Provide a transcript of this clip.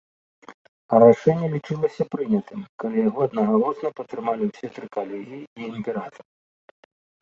Рашэнне лічылася прынятым, калі яго аднагалосна падтрымалі ўсе тры калегіі і імператар.